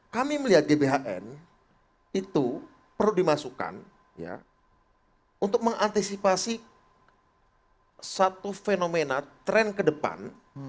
kami melihat gbhn itu perlu dimasukkan untuk mengantisipasi satu fenomena tren ke depan